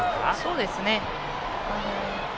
そうですね。